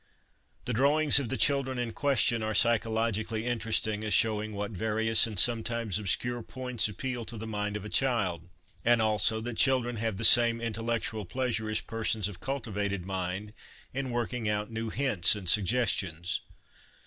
The drawings of the children in question are psychologically interesting as showing what various and sometimes obscure points appeal to the mind of a child ; and also, that children have the same intellectual pleasure as persons of cultivated mind in working out new hints and suggestions.